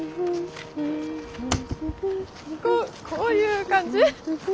こういう感じ？